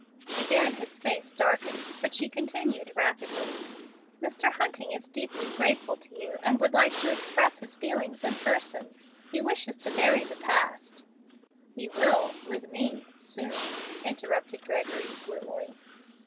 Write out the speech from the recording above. Again his face darkened; but she continued rapidly, "Mr. Hunting is deeply grateful to you, and would like to express his feelings in person. He wishes to bury the past " "He will, with me, soon," interrupted Gregory, gloomily.